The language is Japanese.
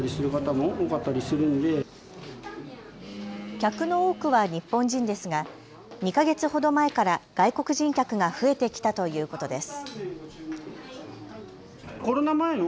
客の多くは日本人ですが２か月ほど前から外国人客が増えてきたということです。